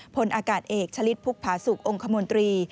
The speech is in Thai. พลอากาศเอกชะลิดพุกผาสุกองคมนตรี